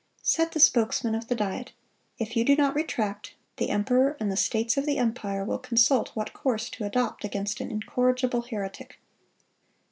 Said the spokesman of the Diet, "If you do not retract, the emperor and the states of the empire will consult what course to adopt against an incorrigible heretic."